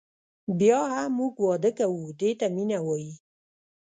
بیا هم موږ واده کوو دې ته مینه وایي.